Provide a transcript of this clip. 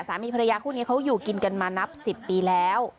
สามีภรรยาคู่นี้เขาอยู่กินกันมานับ๑๐ปีแล้ว